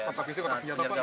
kotak fisik kotak senjata apa